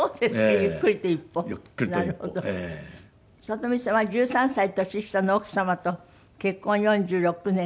里見さんは１３歳年下の奥様と結婚４６年。